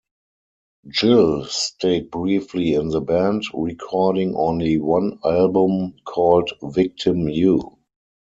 Gill stayed briefly in the band, recording only one album called "Victim You".